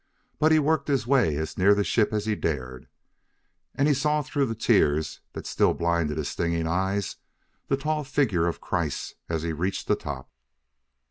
But he worked his way as near the ship as he dared, and he saw through the tears that still blinded his stinging eyes the tall figure of Kreiss as he reached the top.